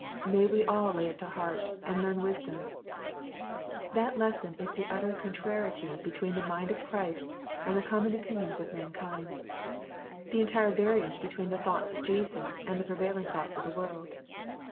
May we all lay it to heart, and learn wisdom ! That lesson is the utter contrariety between the mind of Christ, and the common opinions of man kind, — the entire variance between the thoughts of Jesus, and the prevailing thoughts of the world.